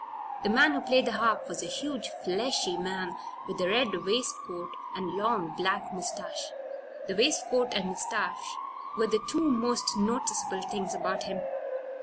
The man who played the harp was a huge, fleshy man, with a red waistcoat and long, black mustache. The waistcoat and mustache were the two most noticeable things about him.